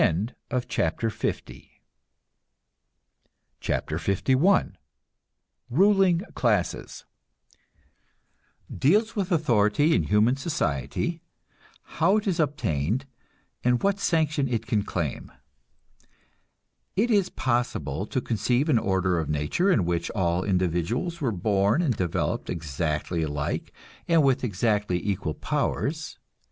CHAPTER LI RULING CLASSES (Deals with authority in human society, how it is obtained, and what sanction it can claim.) It is possible to conceive an order of nature in which all individuals were born and developed exactly alike and with exactly equal powers.